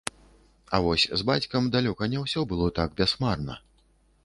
А вось з бацькам далёка не ўсё было так бясхмарна.